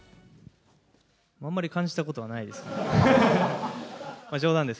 あんまり感じたことはないです。